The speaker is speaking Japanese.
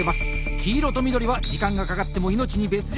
黄色と緑は時間がかかっても命に別状がない人。